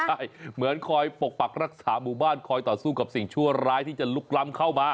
ใช่เหมือนคอยปกปักรักษาหมู่บ้านคอยต่อสู้กับสิ่งชั่วร้ายที่จะลุกล้ำเข้ามา